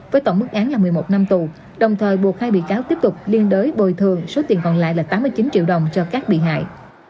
với tổng mức án là một mươi một năm tù đồng thời buộc hai bị cáo tiếp tục liên đối bồi thường số tiền còn lại là tám mươi chín triệu đồng cho các bị hại